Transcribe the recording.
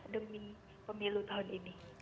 demi pemilu tahun ini